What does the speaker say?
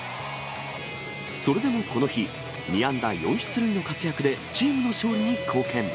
それでもこの日、２安打４出塁の活躍でチームの勝利に貢献。